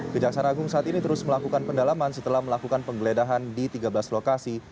kejaksaan agung saat ini terus melakukan pendalaman setelah melakukan penggeledahan di tiga belas lokasi